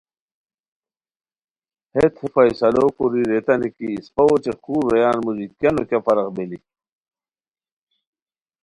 ہیت ہے فیصلو کوری ریتانی کی اسپہ اوچے خور رویان موژی کیہ نو کیہ فرق بیلیک